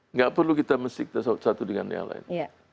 nggak perlu kita mesti kita satu dengan yang lain